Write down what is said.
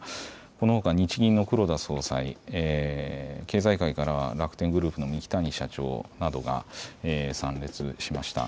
このほか日銀の黒田総裁、経済界からは楽天グループの三木谷社長などが参列しました。